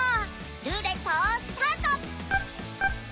ルーレットスタート！